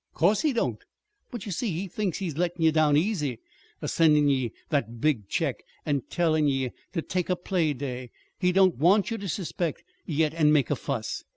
"'Course he don't. But, ye see, he thinks he's lettin' ye down easy a sendin' ye that big check, an' tellin' ye ter take a playday. He don't want ye ter suspect, yet, an' make a fuss.